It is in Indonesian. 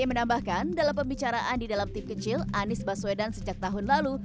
menambahkan dalam pembicaraan di dalam tim kecil anies baswedan sejak tahun lalu